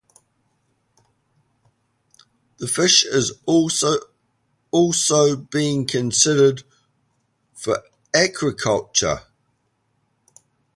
The fish is also being considered for aquaculture.